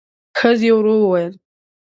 ښځې ورو وويل: